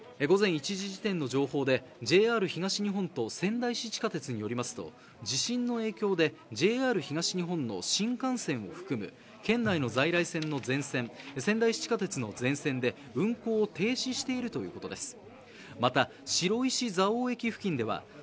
午前１時時点の情報でＪＲ東日本と仙台市地下鉄によりますと地震の影響でＪＲ東日本の新幹線を含む県内の在来線の全線仙台市地下鉄の全線で運行を停止しているということです。